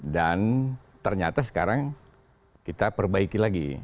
dan ternyata sekarang kita perbaiki lagi